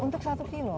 untuk satu kilo